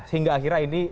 hingga akhirnya ini